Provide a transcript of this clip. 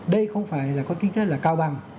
đây không phải là có chính sách cao bằng